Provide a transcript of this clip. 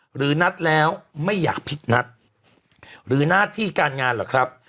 หรือนัดแล้วไม่อยากพลิกนัดหรือหน้าที่การงานเหรอครับ